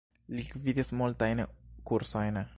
Li gvidis multajn kursojn.